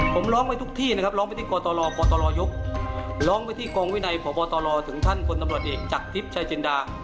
ผมร้องไว้ทุกที่นะครับร้องไปที่กตรกตรยกร้องไปที่กองวินัยพบตรถึงท่านพลตำรวจเอกจากทิพย์ชายจินดา